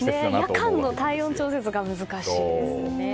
夜間の体温調節が難しいですね。